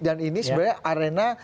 dan ini sebenarnya arena